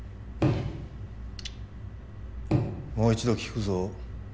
もう一度聞くぞ。